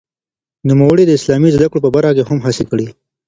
نوموړي د اسلامي زده کړو په برخه کې هم هڅې کړې دي.